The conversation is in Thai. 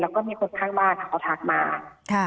แล้วก็มีคนข้างบ้านเขาทักมา